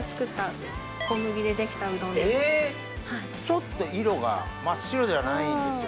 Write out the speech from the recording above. ちょっと色が真っ白ではないんですよね。